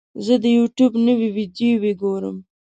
زه د یوټیوب نوې ویډیو ګورم.